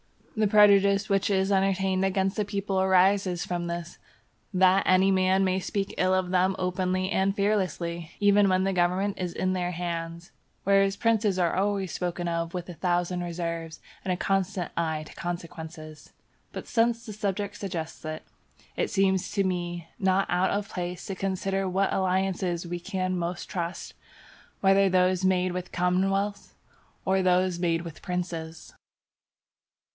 The prejudice which is entertained against the people arises from this, that any man may speak ill of them openly and fearlessly, even when the government is in their hands; whereas princes are always spoken of with a thousand reserves and a constant eye to consequences. But since the subject suggests it, it seems to me not out of place to consider what alliances we can most trust, whether those made with commonwealths or those made with princes.